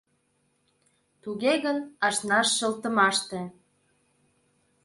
Туге гын, ашнаш шылтымаште